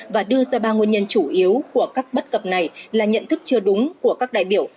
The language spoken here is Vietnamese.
và đưa ra ba nguồn nhân chủ yếu của các bất cập này là nhận thức chưa đúng của các đại biểu